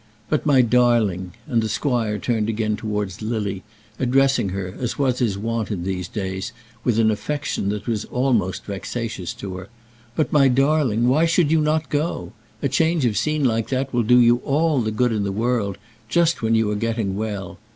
But, my darling," and the squire turned again towards Lily, addressing her, as was his wont in these days, with an affection that was almost vexatious to her; "but, my darling, why should you not go? A change of scene like that will do you all the good in the world, just when you are getting well.